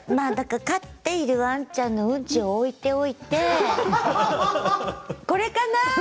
飼っているワンちゃんのうんちを置いておいてこれかな？